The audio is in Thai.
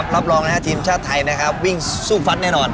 รับรองทีมชาติไทยวิ่งสู้ฟันแน่นอน